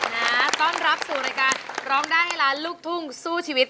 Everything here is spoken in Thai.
นะต้อนรับสู่รายการร้องได้ให้ล้านลูกทุ่งสู้ชีวิต